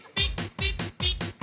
ピッ！